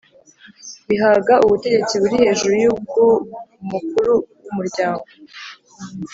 bihaga ubutegetsi buri hejuru y' ubw' umukuru w' umuryango,